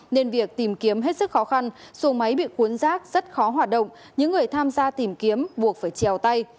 nên việc tìm kiếm hết sức khó khăn xuồng máy bị cuốn rác rất khó hoạt động những người tham gia tìm kiếm buộc phải trèo tay